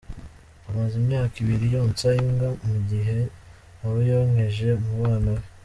Amaze imyaka ibiri yonsa imbwa mu gihe nta we yonkeje mu bana be